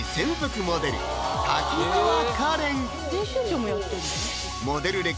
編集長もやってんの？